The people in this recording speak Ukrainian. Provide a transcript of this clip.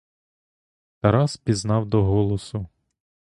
Тарас пізнав до голосу.